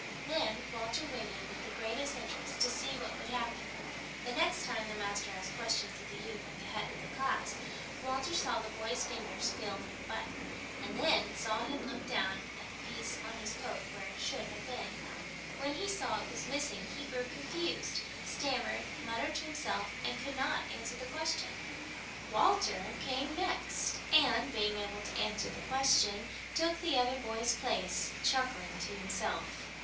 Then Walter waited with the greatest interest to see what would happen. The next time the master asked questions of the youth at the head of the class Walter saw the boy's fingers feel for the button, and then saw him look down at the place on his coat where it should have been. When he saw it was missing he grew confused, stammered, muttered to himself, and could not answer the question. Walter came next, and, being able to answer the question, took the other boy's place, chuckling to himself.